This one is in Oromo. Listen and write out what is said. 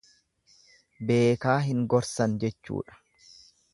Beekaa hin gorsan jechuudha.